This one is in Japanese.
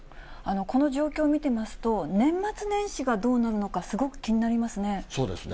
この状況を見てますと、年末年始がどうなるのか、すごく気になりますね。